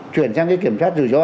chuyển sang cái kiểm tra rủi ro